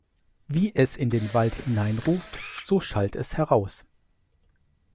Wie es in den Wald hineinruft, so schallt es heraus.